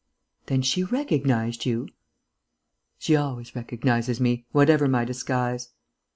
"Then she recognized you?" "She always recognizes me, whatever my disguise."